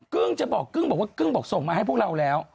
ึ้งจะบอกกึ้งบอกว่ากึ้งบอกส่งมาให้พวกเราแล้ว